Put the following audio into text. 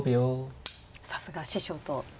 さすが師匠と同じ。